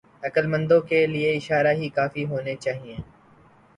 عقلمندوں کے لئے اشارے ہی کافی ہونے چاہئیں۔